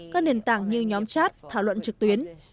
các nền tảng như nhóm chat thảo luận trực tuyến